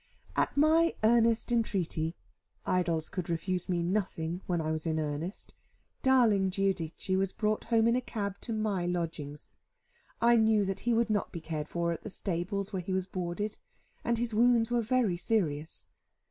At my earnest entreaty Idols could refuse me nothing, when I was in earnest darling Giudice was brought home in a cab to my lodgings. I knew that he would not be cared for at the stables where he was boarded; and his wounds were very serious.